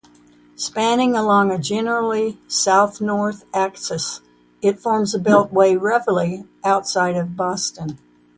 Spanning along a generally south-north axis, it forms a beltway roughly outside of Boston.